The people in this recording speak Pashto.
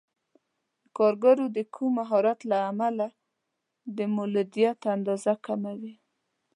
د کارګرو د کم مهارت له امله د مولدیت اندازه کمه وي.